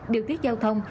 điều tiết giao thông